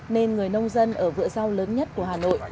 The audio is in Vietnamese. nên người nông dân ở vựa rau lớn nhất của hà nội